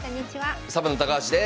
サバンナ高橋です。